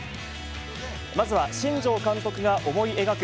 まずは新庄監督が思い描く、